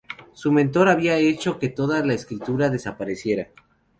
Su mentor había hecho que toda la escritura desapareciera.